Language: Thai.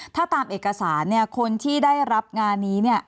ถ้าตามเอกสารเนี่ยคนที่ได้รับงานนี้เนี่ย